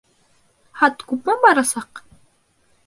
Хат күпме барасаҡ?